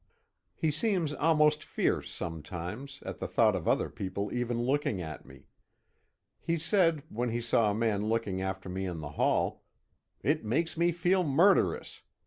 He seems almost fierce sometimes, at the thought of other people even looking at me. He said, when he saw a man looking after me in the hall: "It makes me feel murderous!